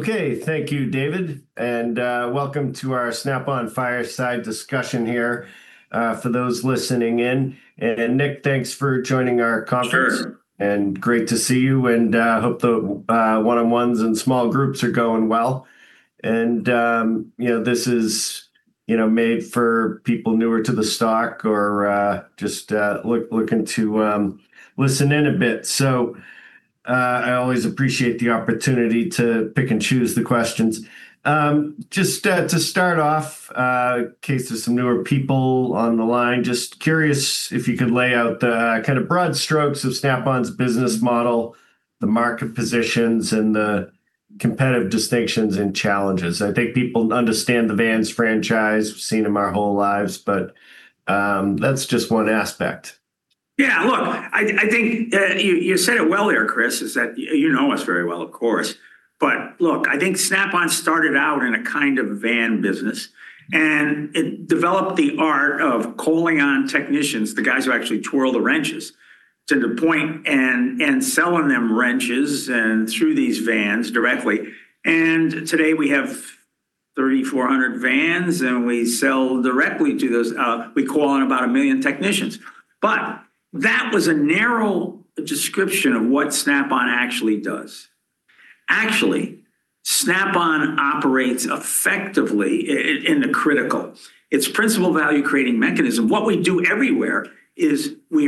Okay. Thank you, David, welcome to our Snap-on fireside discussion here, for those listening in. Nick, thanks for joining our conference. Sure. Great to see you, hope the one-on-ones and small groups are going well. You know, this is, you know, made for people newer to the stock or just looking to listen in a bit. I always appreciate the opportunity to pick and choose the questions. Just to start off, in case there's some newer people on the line, just curious if you could lay out the kind of broad strokes of Snap-on's business model, the market positions, and the competitive distinctions and challenges. I think people understand the vans franchise. We've seen them our whole lives, but that's just one aspect. Look, I think you said it well there, Chris, is that you know us very well, of course. Look, I think Snap-on started out in a kind of van business, and it developed the art of calling on technicians, the guys who actually twirl the wrenches, to the point and selling them wrenches through these vans directly. Today, we have 3,400 vans, and we sell directly to those. We call on about 1 million technicians. That was a narrow description of what Snap-on actually does. Actually, Snap-on operates effectively in the critical, its principal value creating mechanism. What we do everywhere is we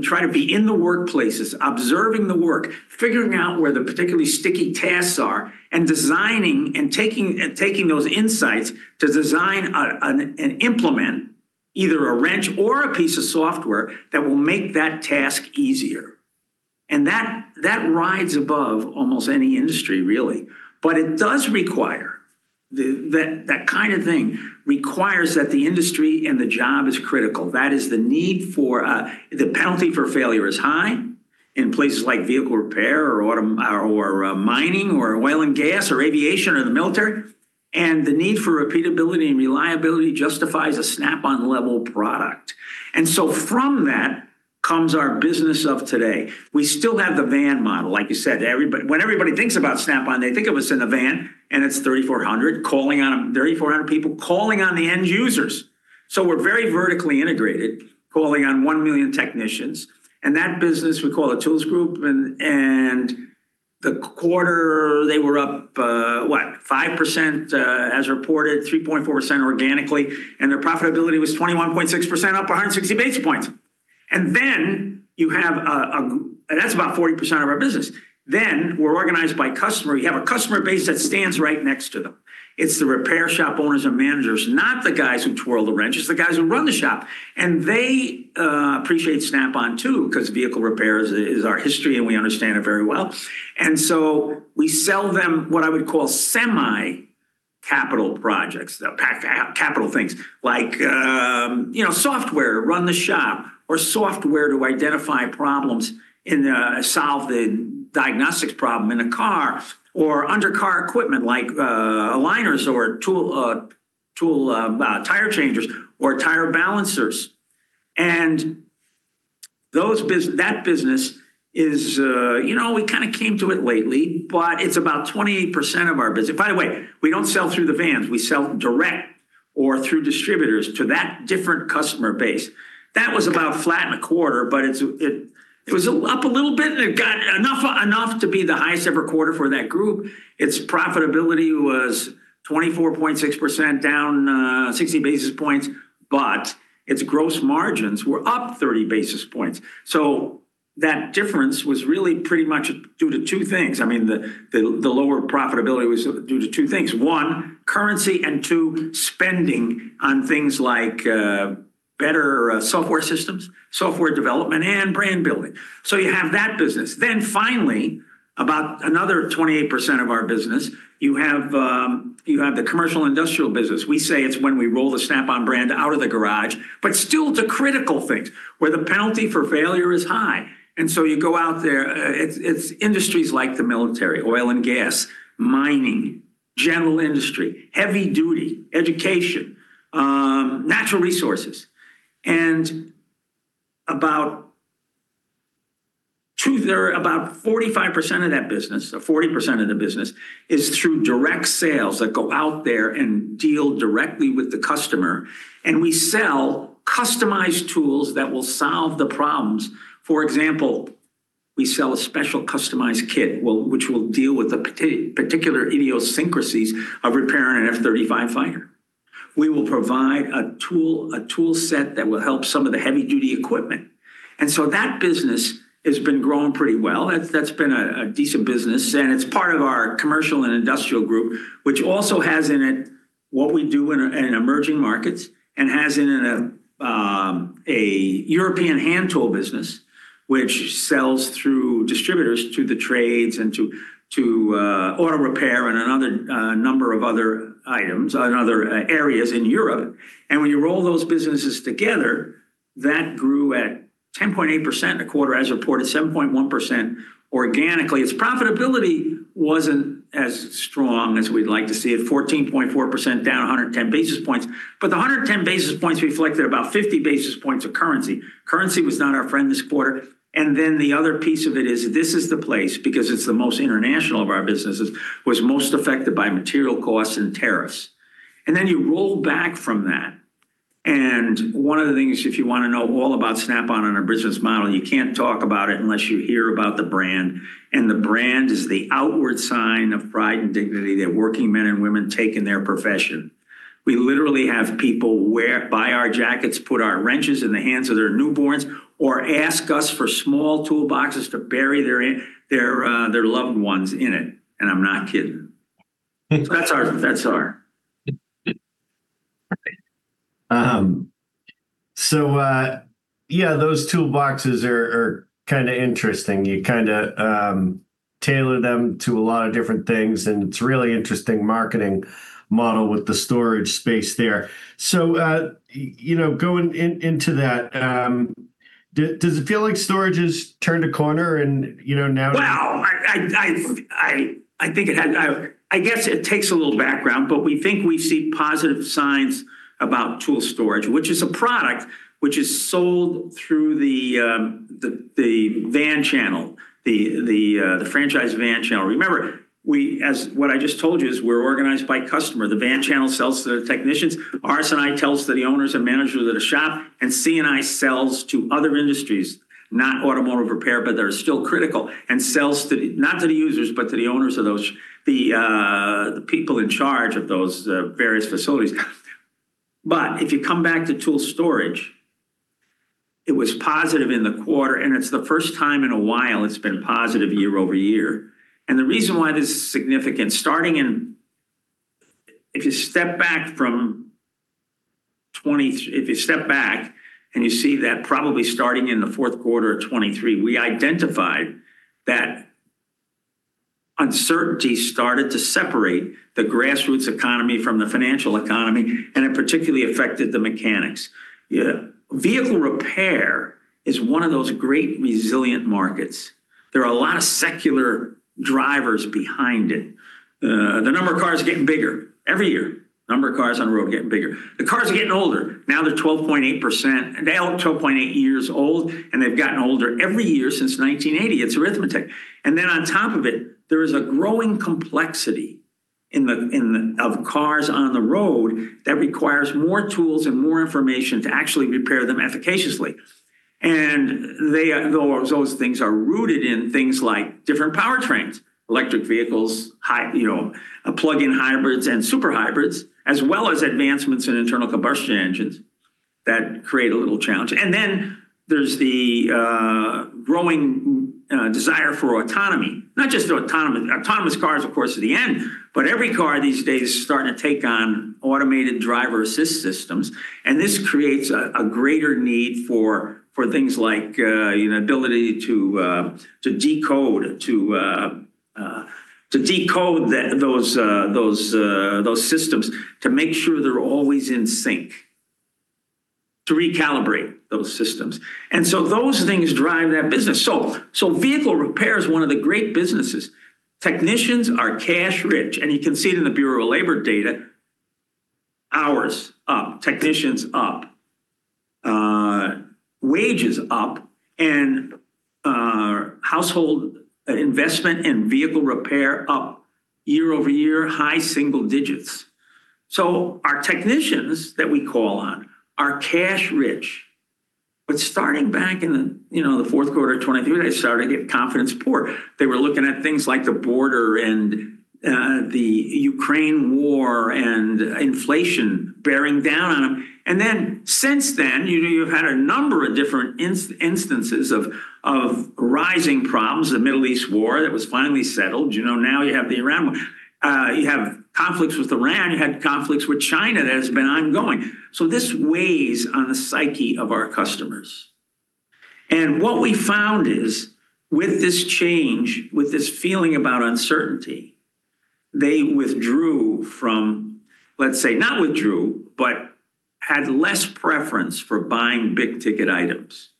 try to be in the workplaces, observing the work, figuring out where the particularly sticky tasks are, and designing and taking those insights to design an implement, either a wrench or a piece of software that will make that task easier. That rides above almost any industry, really. It does require that kind of thing requires that the industry and the job is critical. That is the need for the penalty for failure is high in places like vehicle repair or mining, or oil and gas, or aviation or the military. The need for repeatability and reliability justifies a Snap-on level product. From that comes our business of today. We still have the van model. Like you said, when everybody thinks about Snap-on, they think of us in a van, and it's 300 and 400 people calling on the end users. We're very vertically integrated, calling on 1 million technicians. That business we call a Tools Group. The quarter they were up 5% as reported, 3.4% organically, their profitability was 21.6% up, 160 basis points. That's about 40% of our business. We're organized by customer. You have a customer base that stands right next to them. It's the repair shop owners and managers, not the guys who twirl the wrenches, the guys who run the shop. They appreciate Snap-on too, 'cause vehicle repairs is our history, and we understand it very well. We sell them what I would call semi-capital projects, capital things like, you know, software to run the shop or software to identify problems and solve the diagnostics problem in a car or undercar equipment like aligners or tool, tire changers or tire balancers. Those that business is, you know, we kind of came to it lately, but it's about 28% of our business. By the way, we don't sell through the vans. We sell direct or through distributors to that different customer base. That was about flat in a quarter, but it was up a little bit, and it got enough to be the highest ever quarter for that group. Its profitability was 24.6% down, 60 basis points, but its gross margins were up 30 basis points. That difference was really pretty much due to two things. I mean the lower profitability was due to two things: one, currency, and two, spending on things like better software systems, software development, and brand building. You have that business. Finally, about another 28% of our business, you have the Commercial and Industrial business. We say it's when we roll the Snap-on brand out of the garage, but still the critical things where the penalty for failure is high. You go out there, it's industries like the military, oil and gas, mining, general industry, heavy duty, education, natural resources. About 45% of that business, or 40% of the business is through direct sales that go out there and deal directly with the customer. We sell customized tools that will solve the problems. For example, we sell a special customized kit, well, which will deal with the particular idiosyncrasies of repairing an F-35 fighter. We will provide a tool set that will help some of the heavy duty equipment. That business has been growing pretty well. That's been a decent business, and it's part of our Commercial & Industrial Group, which also has in it what we do in emerging markets and has in it a European hand tool business which sells through distributors to the trades and to auto repair and another number of other items and other areas in Europe. When you roll those businesses together, that grew at 10.8% a quarter, as reported, 7.1% organically. Its profitability wasn't as strong as we'd like to see it, 14.4% down, 110 basis points. The 110 basis points reflected about 50 basis points of currency. Currency was not our friend this quarter. The other piece of it is, this is the place, because it's the most international of our businesses, was most affected by material costs and tariffs. Then you roll back from that. One of the things, if you wanna know all about Snap-on and our business model, you can't talk about it unless you hear about the brand, and the brand is the outward sign of pride and dignity that working men and women take in their profession. We literally have people buy our jackets, put our wrenches in the hands of their newborns, or ask us for small toolboxes to bury their loved ones in it, and I'm not kidding. Yeah, those toolboxes are kind of interesting. You kind of tailor them to a lot of different things, and it's a really interesting marketing model with the storage space there. You know, going into that, does it feel like storage has turned a corner and, you know, now? I think it had, I guess it takes a little background. We think we see positive signs about tool storage, which is a product which is sold through the van channel, the franchise van channel. Remember, we, as what I just told you, is we're organized by customer. The van channel sells to the technicians, RS&I sells to the owners and managers at a shop. C&I sells to other industries, not automotive repair, but that are still critical, and sells to, not to the users, but to the owners of those, the people in charge of those various facilities. If you come back to tool storage, it was positive in the quarter, and it's the first time in a while it's been positive year-over-year. The reason why this is significant, starting in the fourth quarter of 2023, we identified that uncertainty started to separate the grassroots economy from the financial economy, and it particularly affected the mechanics. Vehicle repair is one of those great resilient markets. There are a lot of secular drivers behind it. The number of cars are getting bigger every year. Number of cars on the road are getting bigger. The cars are getting older. Now they're 12.8%. They're now 12.8 years old, and they've gotten older every year since 1980. It's arithmetic. Then on top of it, there is a growing complexity of cars on the road that requires more tools and more information to actually repair them efficaciously. They, those things are rooted in things like different powertrains, electric vehicles, you know, plug-in hybrids and super hybrids, as well as advancements in internal combustion engines that create a little challenge. There's the growing desire for autonomy. Not just autonomy. Autonomous cars, of course, are the end, but every car these days is starting to take on automated driver assist systems, and this creates a greater need for things like, you know, ability to decode, to decode those systems to make sure they're always in sync, to recalibrate those systems. Those things drive that business. Vehicle repair is 1 of the great businesses. Technicians are cash-rich, and you can see it in the Bureau of Labor data. Hours up, technicians up, wages up, household investment and vehicle repair up year-over-year, high single digits. Our technicians that we call on are cash-rich. Starting back in, you know, the fourth quarter of 2023, they started to get confidence poor. They were looking at things like the border, the Ukraine war, and inflation bearing down on them. Since then, you know, you've had a number of different instances of rising problems, the Middle East war that was finally settled. You know, now you have the Iran war. You have conflicts with Iran. You had conflicts with China that has been ongoing. This weighs on the psyche of our customers. What we found is, with this change, with this feeling about uncertainty, they withdrew from Let's say not withdrew, but had less preference for buying big-ticket items.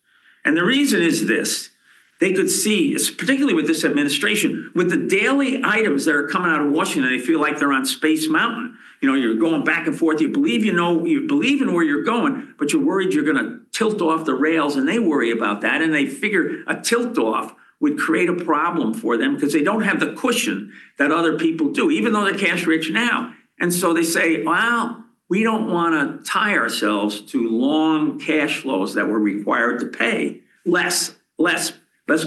The reason is this. They could see, particularly with this administration, with the daily items that are coming out of Washington, they feel like they're on Space Mountain. You know, you're going back and forth. You believe you know, you believe in where you're going, but you're worried you're gonna tilt off the rails, and they worry about that, and they figure a tilt off would create a problem for them because they don't have the cushion that other people do, even though they're cash-rich now. So they say, "Well, we don't wanna tie ourselves to long cash flows that we're required to pay." Less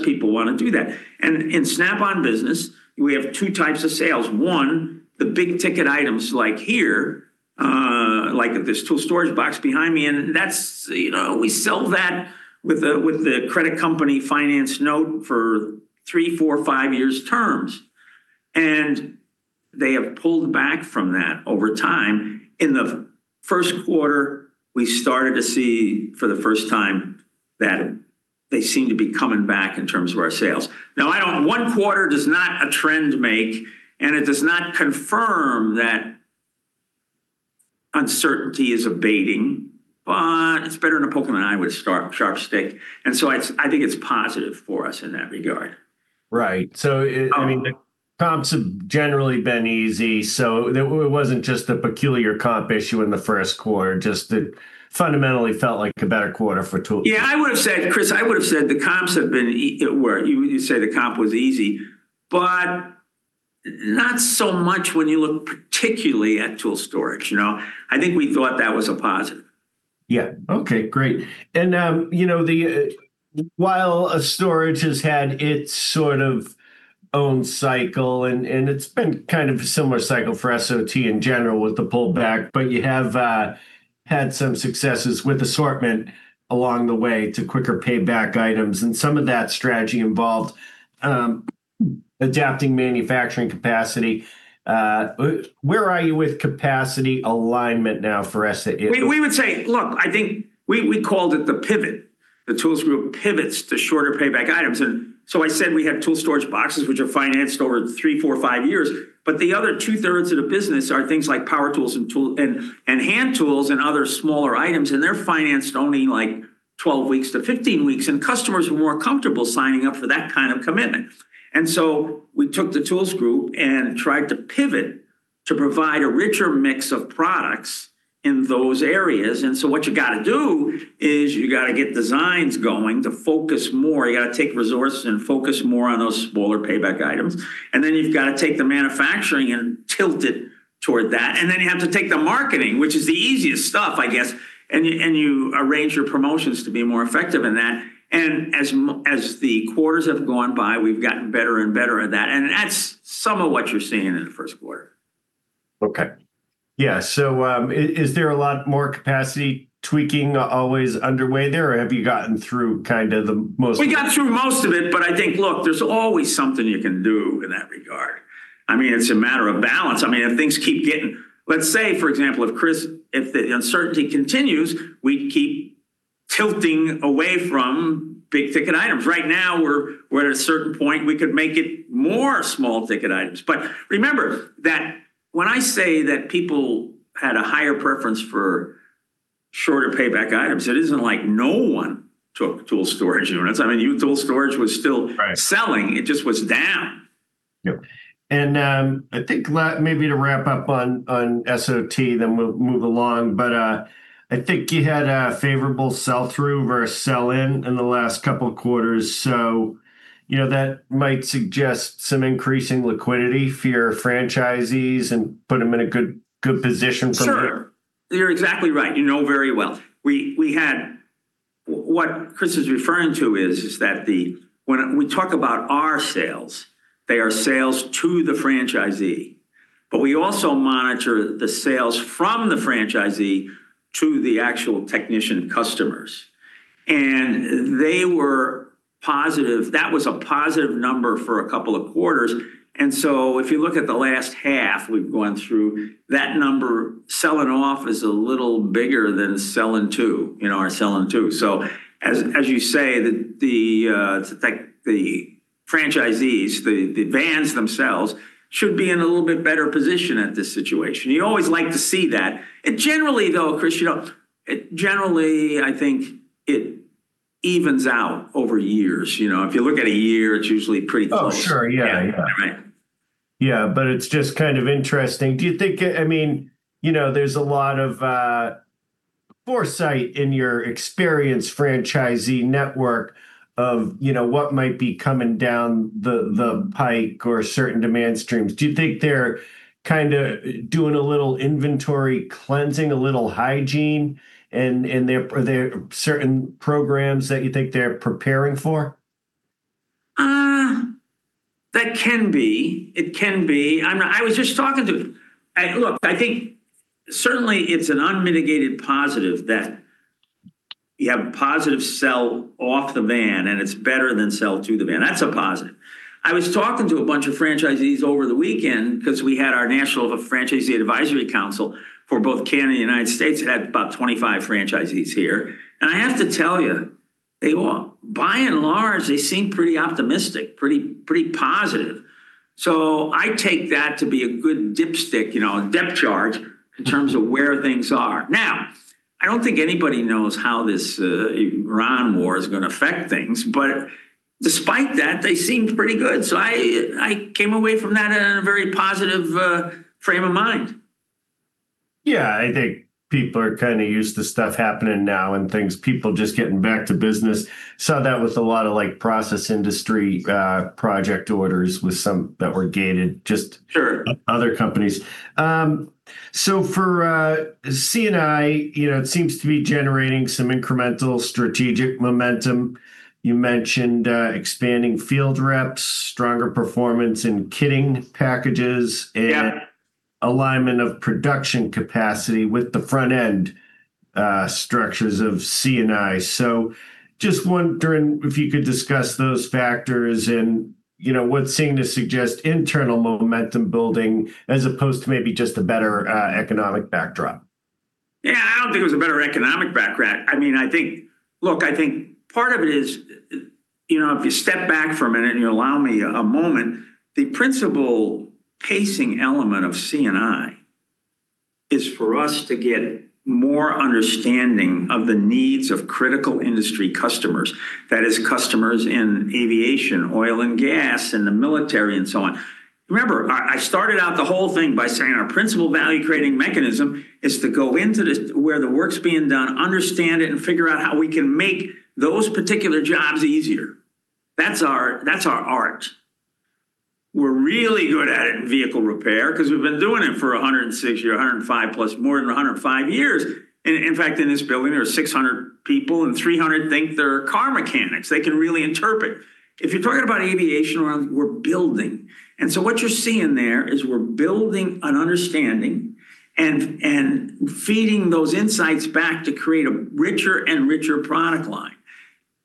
people wanna do that. In Snap-on business, we have two types of sales. One, the big-ticket items like here, like this tool storage box behind me, that's, you know, we sell that with the credit company finance note for three, four, five years terms. They have pulled back from that over time. In the first quarter, we started to see for the first time that they seem to be coming back in terms of our sales. One quarter does not a trend make, it does not confirm that uncertainty is abating, it's better than a poke in the eye with sharp stick. I think it's positive for us in that regard. Right. I mean the comps have generally been easy, so it wasn't just a peculiar comp issue in the first quarter, just it fundamentally felt like a better quarter for tool- Yeah, I would've said, Chris, the comps have been well, you say the comp was easy, not so much when you look particularly at tool storage, you know. I think we thought that was a positive. Yeah. Okay, great. You know, while storage has had its sort of own cycle and it's been kind of a similar cycle for SOT in general with the pullback, but you have had some successes with assortment along the way to quicker payback items, and some of that strategy involved adapting manufacturing capacity. Where are you with capacity alignment now for SOT? We called it the pivot. The Tools Group pivots to shorter payback items. I said we had tool storage boxes, which are financed over three, four, five years. The other two-thirds of the business are things like power tools and hand tools and other smaller items, and they're financed only like 12-15 weeks, and customers are more comfortable signing up for that kind of commitment. We took the Tools Group and tried to pivot to provide a richer mix of products in those areas. What you gotta do is you gotta get designs going to focus more. You gotta take resources and focus more on those smaller payback items. You've gotta take the manufacturing and tilt it toward that. Then you have to take the marketing, which is the easiest stuff, I guess, and you, and you arrange your promotions to be more effective in that. As the quarters have gone by, we've gotten better and better at that, and that's some of what you're seeing in the first quarter. Okay. Yeah. Is there a lot more capacity tweaking always underway there, or have you gotten through kind of the most? We got through most of it. I think, look, there's always something you can do in that regard. I mean, it's a matter of balance. I mean, let's say, for example, if Chris, if the uncertainty continues, we keep tilting away from big-ticket items. Right now, we're at a certain point we could make it more small-ticket items. Remember that when I say that people had a higher preference for shorter payback items, it isn't like no one took tool storage units. I mean, tool storage was still- Right. Selling. It just was down. Yep. I think maybe to wrap up on SOT, then we'll move along. I think you had a favorable sell-through versus sell-in in the last couple of quarters, you know, that might suggest some increasing liquidity for your franchisees and put them in a good position. Sure. You're exactly right. You know very well. We had. What Chris is referring to is that when we talk about our sales, they are sales to the franchisee. We also monitor the sales from the franchisee to the actual technician customers. They were positive. That was a positive number for a couple of quarters. If you look at the last half we've gone through, that number selling off is a little bigger than selling to, you know, or selling to. As, as you say, the, like the franchisees, the vans themselves should be in a little bit better position at this situation. You always like to see that. Generally, though, Chris, you know, it generally, I think it evens out over years. You know, if you look at a year, it's usually pretty close. Oh, sure. Yeah. Right. It's just kind of interesting. Do you think, I mean, you know, there's a lot of foresight in your experienced franchisee network of, you know, what might be coming down the pike or certain demand streams. Do you think they're kind of doing a little inventory cleansing, a little hygiene? Are there certain programs that you think they're preparing for? That can be. It can be. Look, I think certainly it's an unmitigated positive that you have a positive sell off the van, and it's better than sell to the van. That's a positive. I was talking to a bunch of franchisees over the weekend because we had our national, the Franchisee Advisory Council for both Canada and United States. It had about 25 franchisees here. I have to tell you, they all by and large, they seem pretty optimistic, pretty positive. I take that to be a good dipstick, you know, a depth charge in terms of where things are. I don't think anybody knows how this Iran war is gonna affect things. Despite that, they seemed pretty good. I came away from that in a very positive frame of mind. Yeah, I think people are kind of used to stuff happening now and people just getting back to business. Saw that with a lot of, like, process industry, project orders with some that were gated- Sure. Other companies. For C&I, you know, it seems to be generating some incremental strategic momentum. You mentioned expanding field reps, stronger performance in kitting solutions. Yeah. Alignment of production capacity with the front-end structures of C&I. Just wondering if you could discuss those factors and, you know, what's seeming to suggest internal momentum building as opposed to maybe just a better economic backdrop. Yeah, I don't think it was a better economic background. I mean, Look, I think part of it is, you know, if you step back for a minute and you allow me a moment, the principal pacing element of C&I is for us to get more understanding of the needs of critical industry customers. That is customers in aviation, oil and gas, in the military, and so on. Remember, I started out the whole thing by saying our principal value-creating mechanism is to go into where the work's being done, understand it, and figure out how we can make those particular jobs easier. That's our art. We're really good at it in vehicle repair because we've been doing it for 106 years, 105+, more than 105 years. In fact, in this building, there are 600 people, and 300 think they're car mechanics. They can really interpret. If you're talking about aviation, well, we're building. What you're seeing there is we're building an understanding and feeding those insights back to create a richer and richer product line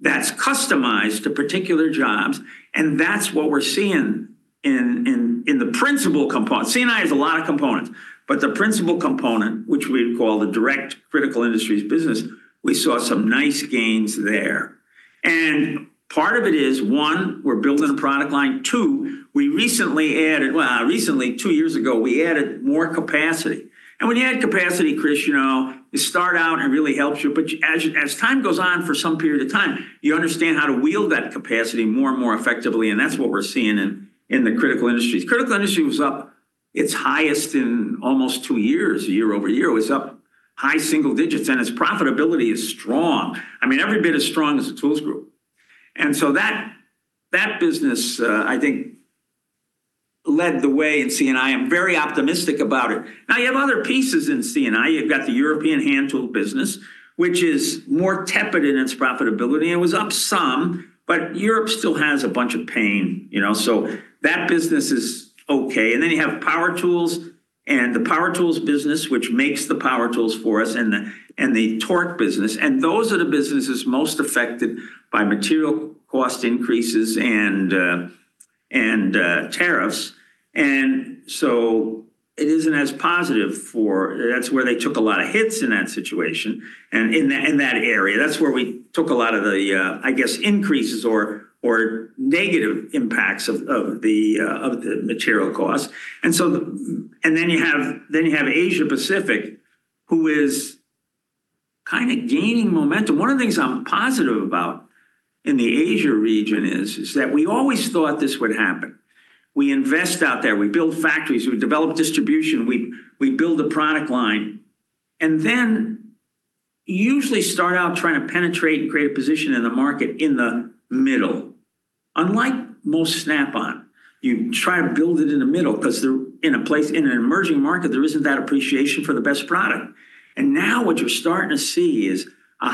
that's customized to particular jobs, and that's what we're seeing in the principal component. C&I has a lot of components, but the principal component, which we call the Direct Critical Industries business, we saw some nice gains there. Part of it is, one, we're building a product line. Two, we recently added. Well, recently, two years ago, we added more capacity. When you add capacity, Chris, you know, you start out and it really helps you. As time goes on for some period of time, you understand how to wield that capacity more and more effectively, and that's what we're seeing in the Critical Industries. Critical Industry was up its highest in almost two years. Year-over-year, it was up high single digits, and its profitability is strong. I mean, every bit as strong as the Tools Group. That business, I think led the way in C&I. I'm very optimistic about it. You have other pieces in C&I. You've got the European hand tool business, which is more tepid in its profitability. It was up some, but Europe still has a bunch of pain, you know. That business is okay. You have power tools and the power tools business, which makes the power tools for us, and the torque business. Those are the businesses most affected by material cost increases and tariffs. That's where they took a lot of hits in that situation and in that area. That's where we took a lot of the, I guess, increases or negative impacts of the material costs. Then you have Asia-Pacific, who is kind of gaining momentum. One of the things I'm positive about in the Asia region is that we always thought this would happen. We invest out there. We build factories. We develop distribution. We build a product line, and then usually start out trying to penetrate and create a position in the market in the middle. Unlike most Snap-on, you try to build it in the middle because they're in a place. In an emerging market, there isn't that appreciation for the best product. Now what you're starting to see is a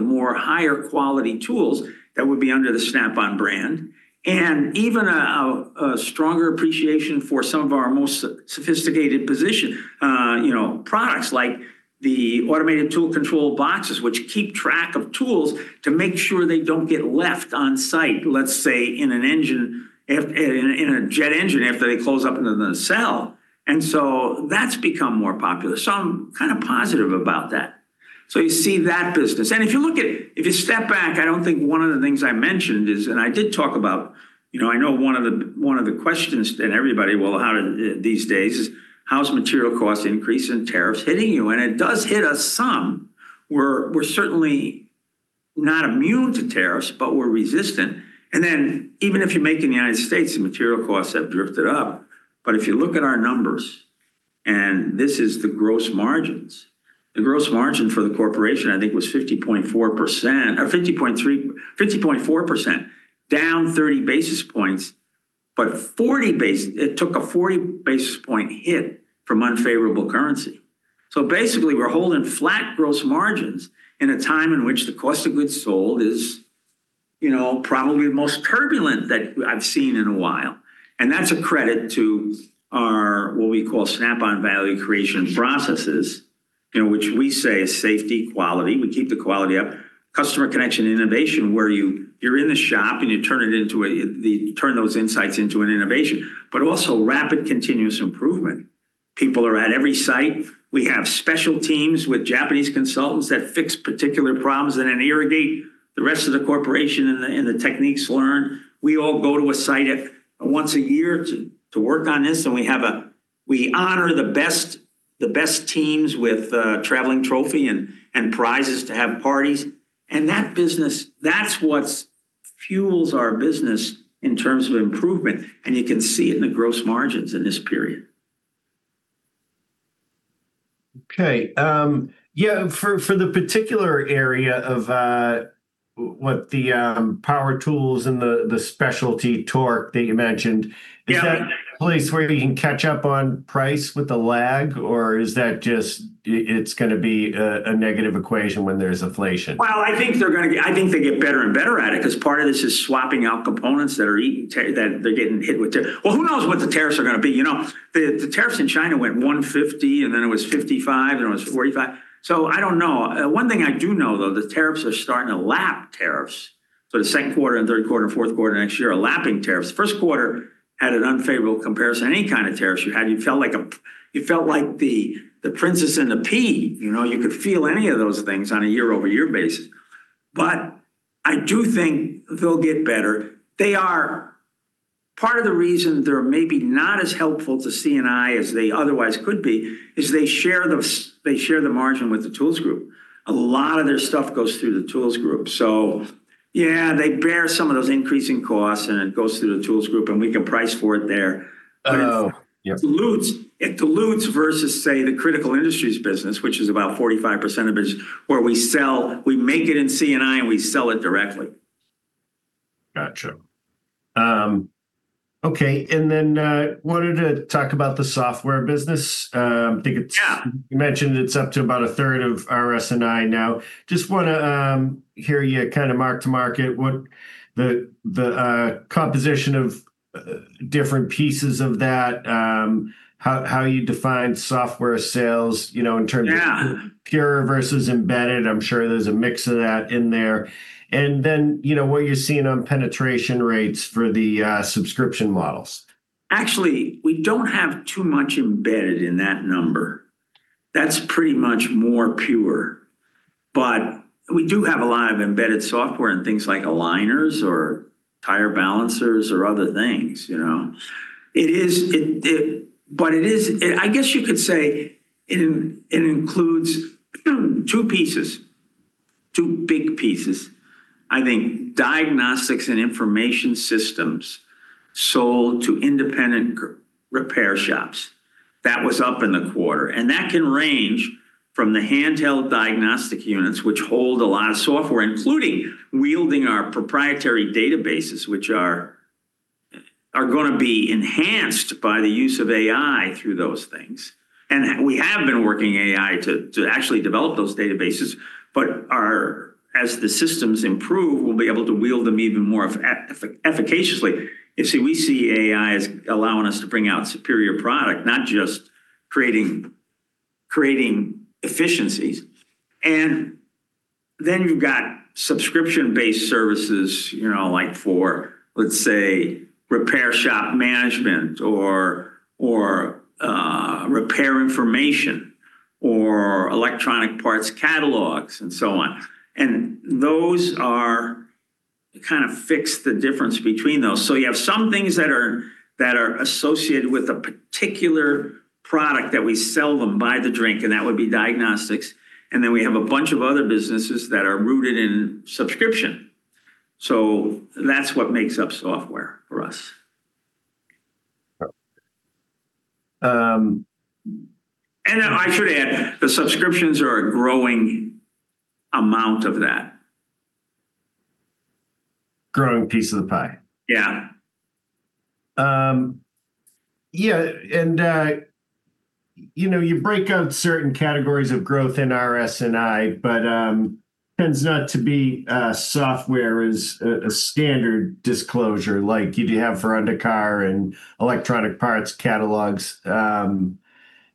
more higher quality tools that would be under the Snap-on brand and even a stronger appreciation for some of our most sophisticated products like the automated tool control boxes, which keep track of tools to make sure they don't get left on site, let's say, in an engine, in a jet engine, after they close up in the cell. That's become more popular. I'm kind of positive about that. You see that business. If you step back, I don't think one of the things I mentioned is, I did talk about, you know, I know one of the questions that everybody will have these days is, how's material cost increase and tariffs hitting you? It does hit us some. We're certainly not immune to tariffs, but we're resistant. Even if you make in the United States, the material costs have drifted up. If you look at our numbers, and this is the gross margins, the gross margin for the corporation, I think, was 50.4%, down 30 basis points. It took a 40 basis point hit from unfavorable currency. Basically, we're holding flat gross margins in a time in which the cost of goods sold is, you know, probably the most turbulent that I've seen in a while. That's a credit to our, what we call Snap-on Value Creation Processes, you know, which we say is safety, quality. We keep the quality up. Customer connection and innovation, where you're in the shop, and you turn those insights into an innovation. Also Rapid Continuous Improvement. People are at every site. We have special teams with Japanese consultants that fix particular problems and then irrigate the rest of the corporation in the techniques learned. We all go to a site once a year to work on this, and we honor the best teams with a traveling trophy and prizes to have parties. That business, that's what fuels our business in terms of improvement, and you can see it in the gross margins in this period. Okay. yeah, for the particular area of, what the, power tools and the specialty torque that you mentioned. Yeah. Is that a place where you can catch up on price with the lag, or is that just it's gonna be a negative equation when there's inflation? Well, I think they get better and better at it 'cause part of this is swapping out components that are eating t-- that they're getting hit with t--. Well, who knows what the tariffs are gonna be? You know, the tariffs in China went 150%, and then it was 55%, then it was 45%. I don't know. One thing I do know, though, the tariffs are starting to lap tariffs. The second quarter and third quarter and fourth quarter next year are lapping tariffs. First quarter had an unfavorable comparison to any kind of tariffs you had. You felt like the princess and the pea. You know, you could feel any of those things on a year-over-year basis. I do think they'll get better. Part of the reason they're maybe not as helpful to C&I as they otherwise could be is they share the margin with the Tools Group. A lot of their stuff goes through the Tools Group. Yeah, they bear some of those increasing costs, and it goes through the Tools Group, and we can price for it there. Oh, yep. It dilutes versus say, the critical industries business, which is about 45% of it, where we make it in C&I, and we sell it directly. Gotcha. Okay, wanted to talk about the software business. Yeah. You mentioned it's up to about a third of RS&I now. Just wanna hear you kind of mark-to-market what the composition of different pieces of that, how you define software sales, you know? Yeah. Pure versus embedded. I'm sure there's a mix of that in there. You know, what you're seeing on penetration rates for the subscription models. Actually, we don't have too much embedded in that number. That's pretty much more pure. We do have a lot of embedded software in things like aligners or tire balancers or other things, you know. It is, I guess you could say it includes two pieces, two big pieces. I think diagnostics and information systems sold to independent repair shops. That was up in the quarter, that can range from the handheld diagnostic units, which hold a lot of software, including wielding our proprietary databases, which are gonna be enhanced by the use of AI through those things. We have been working AI to actually develop those databases. As the systems improve, we'll be able to wield them even more efficaciously. You see, we see AI as allowing us to bring out superior product, not just creating efficiencies. You've got subscription-based services, you know, like for, let's say, Shop Management or repair information or Electronic Parts Catalogs and so on. Those are kind of fix the difference between those. You have some things that are associated with a particular product that we sell them by the drink, and that would be diagnostics. We have a bunch of other businesses that are rooted in subscription. That's what makes up software for us. Okay. I should add, the subscriptions are a growing amount of that. Growing piece of the pie. Yeah. Yeah, you know, you break out certain categories of growth in RS&I, tends not to be software as a standard disclosure like you do have for undercar and Electronic Parts Catalogs,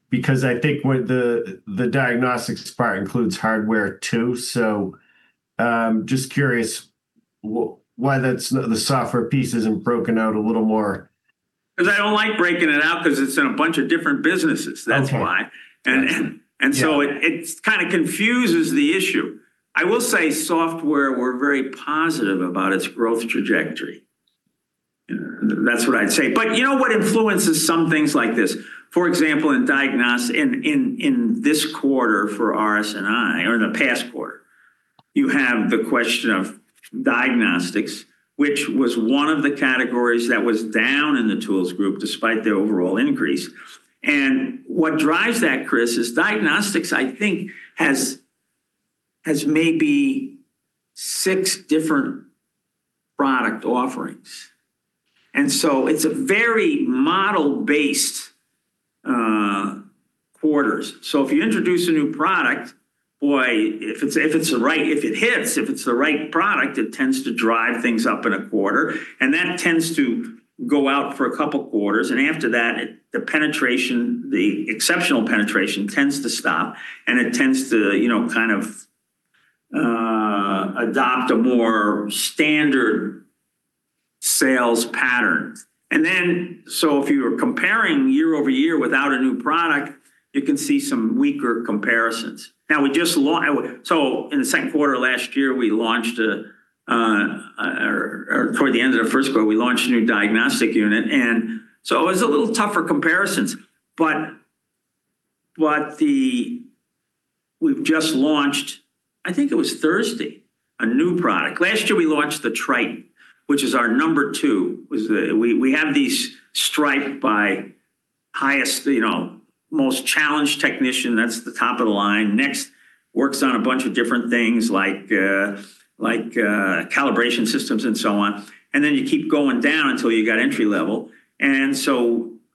because I think the diagnostics part includes hardware too. Just curious why the software piece isn't broken out a little more? 'Cause I don't like breaking it out 'cause it's in a bunch of different businesses. That's why. Okay. It kind of confuses the issue. I will say software, we're very positive about its growth trajectory. That's what I'd say. You know what influences some things like this? For example, in this quarter for RS&I, or in the past quarter, you have the question of diagnostics, which was one of the categories that was down in the Tools Group despite the overall increase. What drives that, Chris, is diagnostics, I think, has maybe six different product offerings. It's a very model-based quarters. If you introduce a new product, boy, if it hits, if it's the right product, it tends to drive things up in a quarter, and that tends to go out for a couple quarters. After that, the penetration, the exceptional penetration tends to stop, and it tends to, you know, kind of, adopt a more standard sales pattern. If you're comparing year-over-year without a new product, you can see some weaker comparisons. We just, in the second quarter last year, we launched a, toward the end of the first quarter, we launched a new diagnostics unit, it was a little tougher comparisons. We've just launched, I think it was Thursday, a new product. Last year, we launched the TRITON, which is our number two. We have these striped by highest, you know, most challenged technician, that's the top of the line. Next works on a bunch of different things like calibration systems and so on. You keep going down until you got entry-level.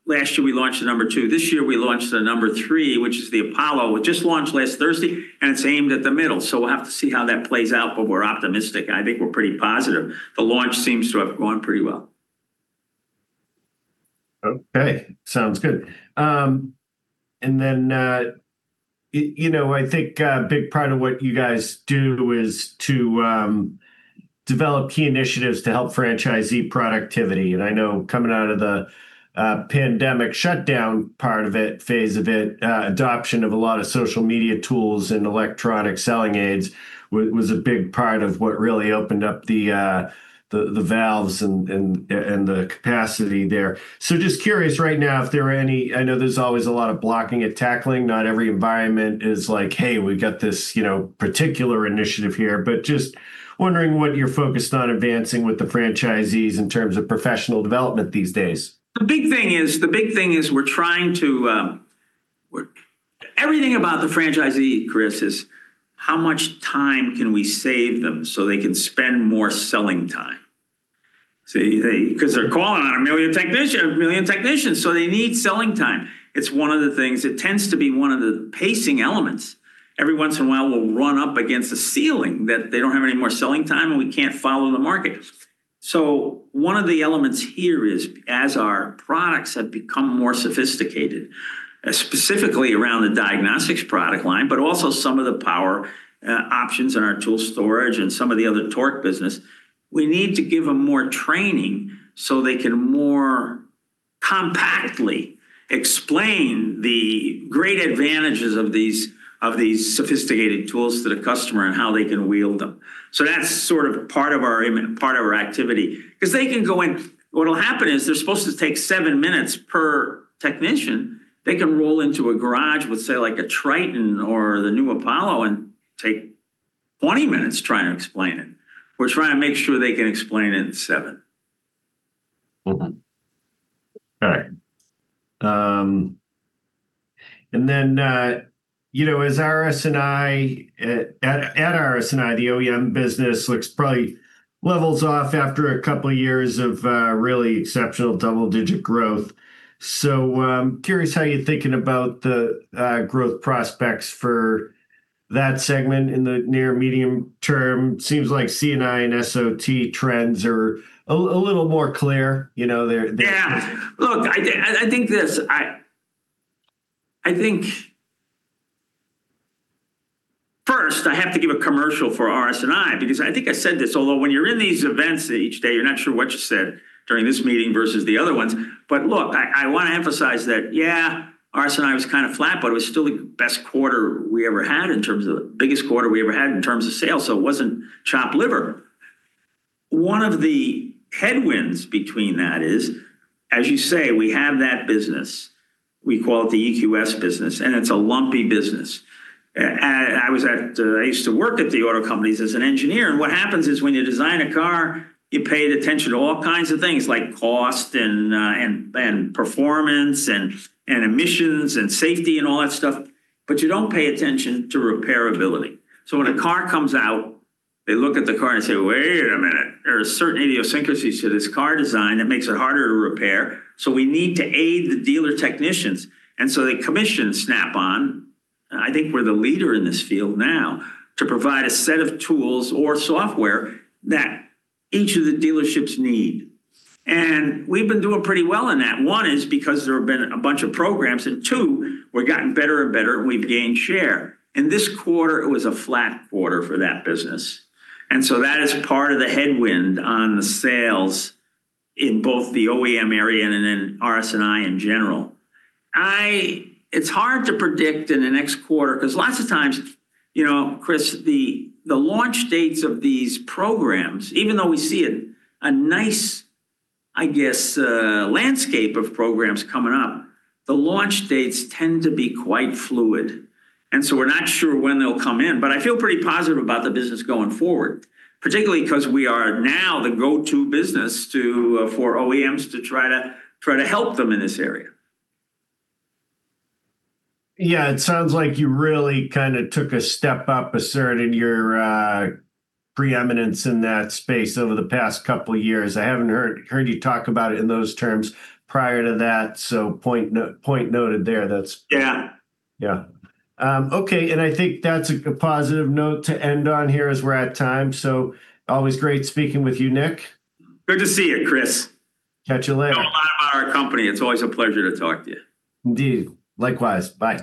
Last year, we launched the number two. This year, we launched the number three, which is the APOLLO. It just launched last Thursday, and it's aimed at the middle. We'll have to see how that plays out, but we're optimistic. I think we're pretty positive. The launch seems to have gone pretty well. Okay. Sounds good. You know, I think a big part of what you guys do is to develop key initiatives to help franchisee productivity. I know coming out of the pandemic shutdown part of it, phase of it, adoption of a lot of social media tools and electronic selling aids was a big part of what really opened up the valves and the capacity there. Just curious right now. I know there's always a lot of blocking and tackling. Not every environment is like, "Hey, we got this, you know, particular initiative here." Just wondering what you're focused on advancing with the franchisees in terms of professional development these days. The big thing is, everything about the franchisee, Chris, is how much time can we save them so they can spend more selling time? See, because they're calling on 1 million technicians, so they need selling time. It's one of the things. It tends to be one of the pacing elements. Every once in a while, we'll run up against a ceiling that they don't have any more selling time, and we can't follow the market. One of the elements here is, as our products have become more sophisticated, specifically around the diagnostics product line, but also some of the power options in our tool storage and some of the other torque business, we need to give them more training so they can more compactly explain the great advantages of these, of these sophisticated tools to the customer and how they can wield them. That's sort of part of our part of our activity 'cause they can go in. What'll happen is they're supposed to take seven minutes per technician. They can roll into a garage with, say, like, a TRITON or the new APOLLO and take 20 minutes trying to explain it. We're trying to make sure they can explain it in seven. All right. You know, at RS&I, the OEM business looks probably levels off after a couple years of really exceptional double-digit growth. I'm curious how you're thinking about the growth prospects for that segment in the near, medium term. Seems like C&I and SOT trends are a little more clear. Yeah. Look, I think this. I think first, I have to give a commercial for RS&I because I think I said this, although when you're in these events each day, you're not sure what you said during this meeting versus the other ones. Look, I wanna emphasize that, yeah, RS&I was kind of flat, but it was still the biggest quarter we ever had in terms of sales, so it wasn't chopped liver. One of the headwinds between that is, as you say, we have that business. We call it the EQS business. It's a lumpy business. I was at, I used to work at the auto companies as an engineer, and what happens is when you design a car, you pay attention to all kinds of things like cost and performance and emissions and safety and all that stuff, but you don't pay attention to repairability. When a car comes out, they look at the car and say, "Wait a minute." There are certain idiosyncrasies to this car design that makes it harder to repair, so we need to aid the dealer technicians. They commission Snap-on, and I think we're the leader in this field now, to provide a set of tools or software that each of the dealerships need. We've been doing pretty well in that. One is because there have been a bunch of programs, two, we've gotten better and better, and we've gained share. In this quarter, it was a flat quarter for that business, that is part of the headwind on the sales in both the OEM area and in RS&I in general. It's hard to predict in the next quarter 'cause lots of times, you know, Chris, the launch dates of these programs, even though we see a nice, I guess, landscape of programs coming up, the launch dates tend to be quite fluid, we're not sure when they'll come in. I feel pretty positive about the business going forward, particularly 'cause we are now the go-to business to for OEMs to try to help them in this area. Yeah, it sounds like you really kind of took a step up, asserted your preeminence in that space over the past couple years. I haven't heard you talk about it in those terms prior to that, so point noted there. Yeah. Yeah. Okay, I think that's a positive note to end on here as we're at time. Always great speaking with you, Nick. Good to see you, Chris. Catch you later. You know a lot about our company. It's always a pleasure to talk to you. Indeed. Likewise. Bye.